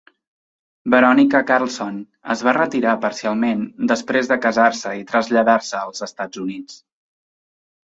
Verónica Carlson es va retirar parcialment després de casar-se i traslladar-se als Estats Units.